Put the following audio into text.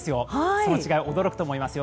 その違い、驚くと思いますよ。